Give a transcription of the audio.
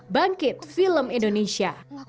bangkit film indonesia